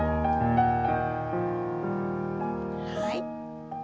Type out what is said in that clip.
はい。